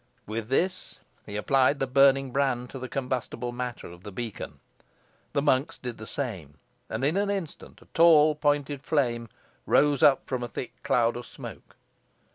With this, he applied the burning brand to the combustible matter of the beacon. The monks did the same; and in an instant a tall, pointed flame, rose up from a thick cloud of smoke.